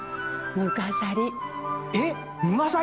むがさり？